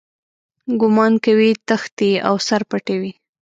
ګومان کوي تښتي او سر پټوي.